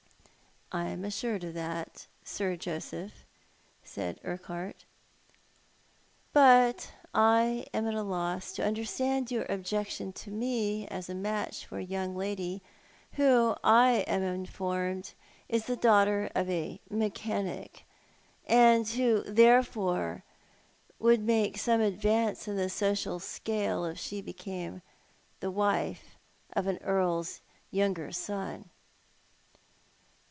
"I am assured of that. Sir Joseph," said Urquhart; "but a 82 ThotL art the Man. I am at a loss to unclerstaud your objection to me as a match for a young lady who, I am informed, is the daughter of a mechanic, and who therefore would make some advance in the social scale if she became the wife of an earl's younger son."